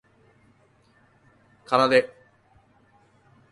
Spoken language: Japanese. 楓